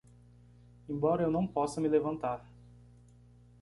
Embora eu não possa me levantar